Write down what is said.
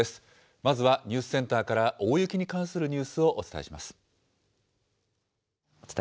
まずはニュースセンターから、大雪に関するニュースをお伝え